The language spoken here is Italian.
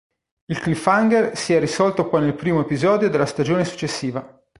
Il cliffhanger si è risolto poi nel primo episodio della stagione successiva.